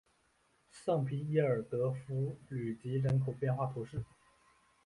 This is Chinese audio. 圣皮耶尔德弗吕吉人口变化图示